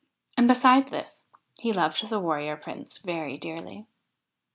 And, beside this, he loved the Warrior Prince very dearly.